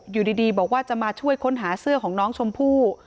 อยู่ดีบอกว่าจะมาช่วยค้นหาเสื้อของน้องชมพู่